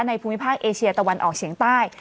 ภูมิภาคเอเชียตะวันออกเฉียงใต้